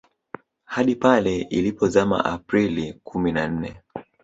Hadi pale ilipozama Aprili kumi na nne